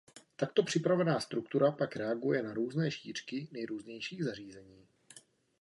Takto připravená struktura pak reaguje na různé šířky nejrůznějších zařízení.